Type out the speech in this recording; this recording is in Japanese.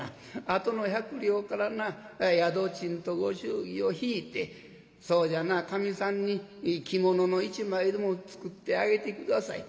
あとの百両からな宿賃とご祝儀を引いてそうじゃなかみさんにいい着物の一枚でも作ってあげて下さい。